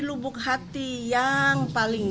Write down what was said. lubuk hati yang paling